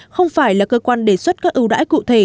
không phải là cơ quan đề xuất các ưu đãi cụ thể